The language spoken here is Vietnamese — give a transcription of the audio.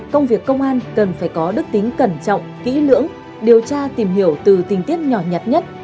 công việc công an cần phải có đức tính cẩn trọng kỹ lưỡng điều tra tìm hiểu từ tình tiết nhỏ nhặt nhất